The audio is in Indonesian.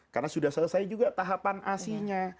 karena sudah selesai juga tahapan asinya